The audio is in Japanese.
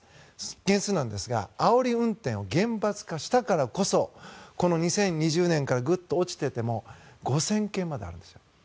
件数なんですがあおり運転を厳罰化したからこそこの２０２０年からぐっと落ちていても５０００件まであるんですよ。